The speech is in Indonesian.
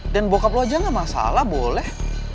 dan bokap lo aja gak masalah boleh